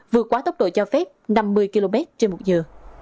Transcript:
vượt quá tốc độ cho phép năm mươi km trên một giờ